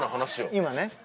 今ね？